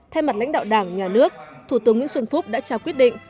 thay mặt lãnh đạo đảng nhà nước thủ tướng nguyễn xuân phúc đã trao quyết định